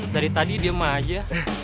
dari tadi diem aja